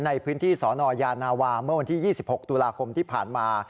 ในพื้นที่สนยานาวาเมื่อวันที่๒๖ตุลาคมที่ผ่านมา